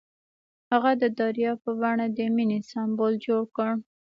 هغه د دریا په بڼه د مینې سمبول جوړ کړ.